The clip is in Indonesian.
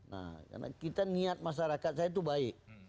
nah karena kita niat masyarakat saya itu baik